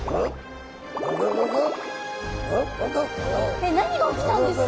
えっ何が起きたんですか？